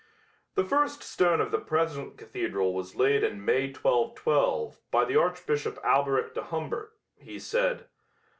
"The first stone of the present cathedral was laid in May, 1212, by the Archbishop Alberic de Humbert," he said.